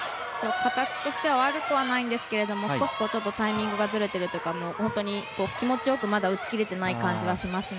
形としては悪くはないんですけど少しタイミングがずれているというか気持ちよく打ちきれてない感じがしますね。